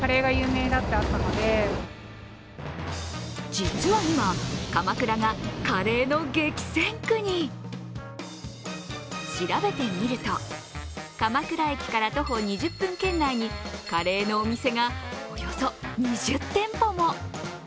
実は今、鎌倉がカレーの激戦区に調べてみると、鎌倉駅から徒歩２０分圏内にカレーのお店がおよそ２０店舗も。